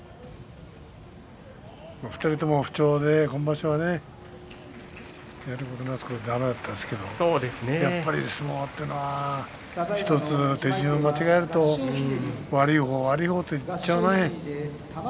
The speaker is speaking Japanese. ２人とも不調で今場所はやることなすことだめだったですけれどやっぱり相撲というのは１つ手順を間違えると悪い方悪い方にいっちゃうね。